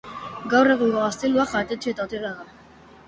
Gaur egungo gaztelua jatetxe eta hotela da.